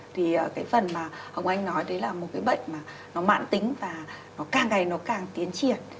thì cái phần mà hồng anh nói đấy là một cái bệnh mà nó mãn tính và nó càng ngày nó càng tiến triển